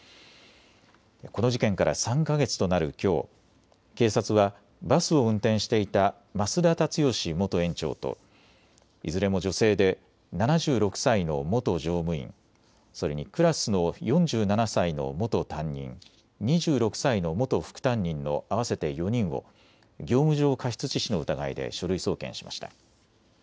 この事件から３か月となるきょう、警察はバスを運転していた増田立義元園長といずれも女性で７６歳の元乗務員、それにクラスの４７歳の元担任、２６歳の元副担任の合わせて４人を業務上過失致死の疑いで書類送検しました。